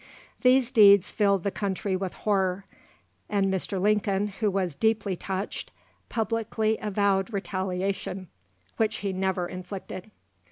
These deeds filled the country with horror, and Mr. Lincoln, who was "deeply touched," publicly avowed retaliation, which he never inflicted.